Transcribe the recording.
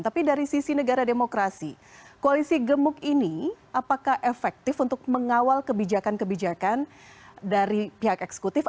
tapi dari sisi negara demokrasi koalisi gemuk ini apakah efektif untuk mengawal kebijakan kebijakan dari pihak eksekutif